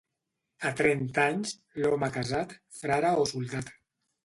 A trenta anys, l'home casat, frare o soldat.